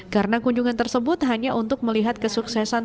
karena kunjungan tersebut hanya untuk melihat kesuksesan